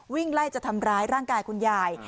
วิ่งไล่จะทำร้ายร่างกายคุณยาย